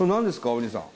お兄さん。